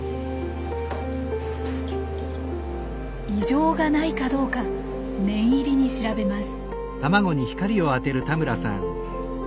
異常がないかどうか念入りに調べます。